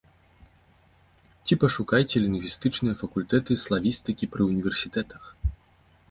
Ці пашукайце лінгвістычныя факультэты славістыкі пры універсітэтах.